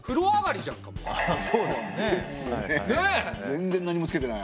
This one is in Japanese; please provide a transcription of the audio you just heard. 全然何も着けてない。